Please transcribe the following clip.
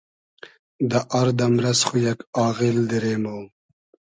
دۂ آر دئمرئس خو یئگ آغیل دیرې مۉ